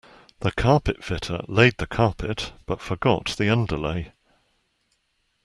The carpet fitter laid the carpet, but forgot the underlay